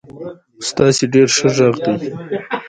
د بولدک ولسوالي تجارتي ګڼه ګوڼه لري.